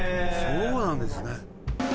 そうなんですね！